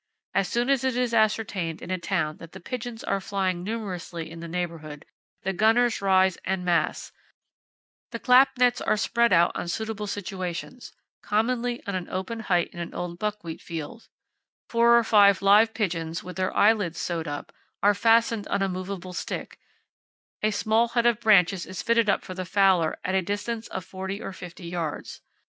As soon as it is ascertained in a town that the pigeons are flying numerously in the neighborhood, the gunners rise en masse; the clap nets are spread out on suitable situations, commonly on an open height in an old buckwheat field, four or five live pigeons, with their eyelids sewed up, [A] are fastened on a movable stick, a small hut of branches is fitted up for the fowler at the distance of forty or fifty yards.